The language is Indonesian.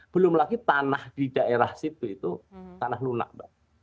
belum lagi tanah di daerah situ itu tanah lunak mbak